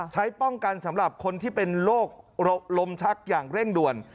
ใช้ป้องกันสำหรับคนที่เป็นโรคลมชักอย่างเร่งด่วน